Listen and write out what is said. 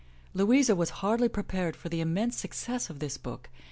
Louisa was hardly prepared for the immense success of this book.